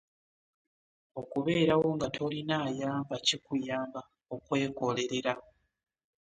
Okubeerawo nga tolina ayamba kikuyamba okwekolerera.